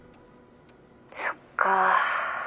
そっか。